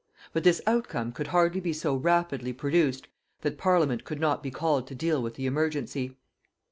But this outcome could hardly be so rapidly produced that Parliament could not be called to deal with the emergency.